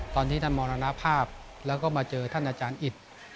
ตอนที่ท่านมรณภาพแล้วก็มาเจอท่านอาจารย์อิต